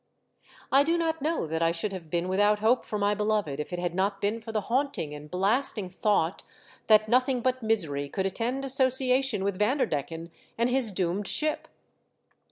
I do not know that I should have been with out hope for my beloved if it had not been for the haunting and blasting thought that nothing but misery could attend association with Vanderdecken and his doomed ship.